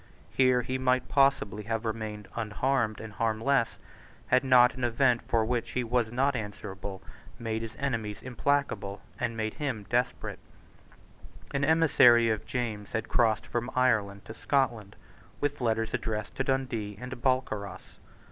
Here he might possibly have remained unharmed and harmless, had not an event for which he was not answerable made his enemies implacable, and made him desperate, An emissary of James had crossed from Ireland to Scotland with letters addressed to Dundee and Balcarras.